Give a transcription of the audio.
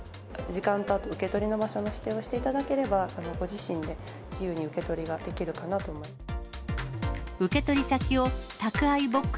時間と、あと受け取りの場所の指定をしていただければ、ご自身で自由に受け取りができるかなと思います。